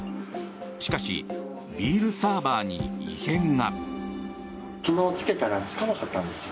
しかしビールサーバーに異変が。